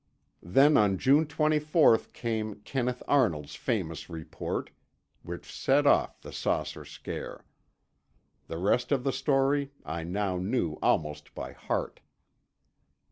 Then on June 24 came Kenneth Arnold's famous report, which set off the saucer scare. The rest of the story I now knew almost by heart.